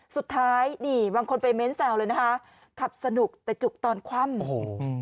สุดท้ายนี่บางคนไปเน้นแซวเลยนะคะขับสนุกแต่จุกตอนคว่ำโอ้โห